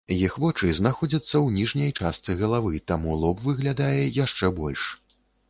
Іх вочы знаходзяцца ў ніжняй частцы галавы, таму лоб выглядае яшчэ больш.